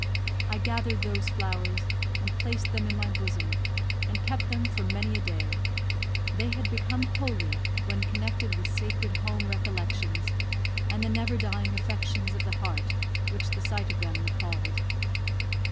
I gathered those flowers, and placed them in my bosom, and kept them for many a day; they had become holy, when connected with sacred home recollections, and the never dying affections of the heart which the sight of them recalled.